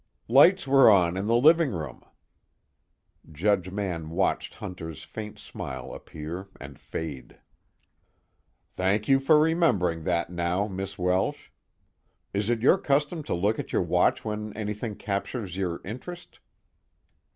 "Lights were on in the living room." Judge Mann watched Hunter's faint smile appear and fade. "Thank you for remembering that now, Miss Welsh. Is it your custom to look at your watch when anything captures your interest?"